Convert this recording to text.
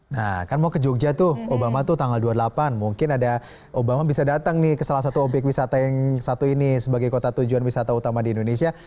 nah kan mau ke jogja tuh obama tuh tanggal dua puluh delapan mungkin ada obama bisa datang nih ke salah satu obyek wisata yang satu ini sebagai kota tujuan wisata utama di indonesia